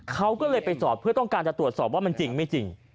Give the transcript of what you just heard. เขาก็เลยไปสอบเพื่อต้องการจะตรวจสอบว่ามันจริงไม่จริง